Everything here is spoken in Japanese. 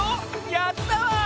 やったわ！